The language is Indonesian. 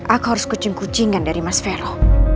aku harus kucing kucingan dari mas vero